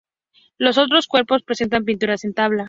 Los otros cuerpos presentan pinturas en tabla.